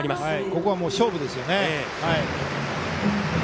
ここは勝負ですよね。